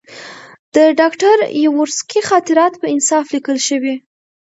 د ډاکټر یاورسکي خاطرات په انصاف لیکل شوي.